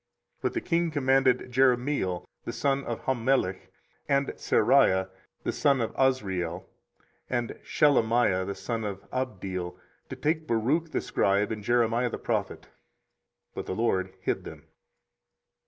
24:036:026 But the king commanded Jerahmeel the son of Hammelech, and Seraiah the son of Azriel, and Shelemiah the son of Abdeel, to take Baruch the scribe and Jeremiah the prophet: but the LORD hid them.